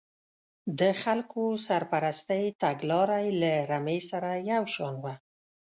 د خلکو سرپرستۍ تګلاره یې له رمې سره یو شان وه.